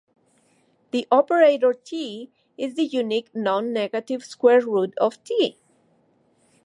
The operator "T" is the unique non-negative square root of "T".